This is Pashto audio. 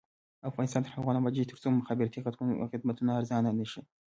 افغانستان تر هغو نه ابادیږي، ترڅو مخابراتي خدمتونه ارزانه نشي.